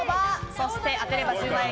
そして、当てれば１０万円！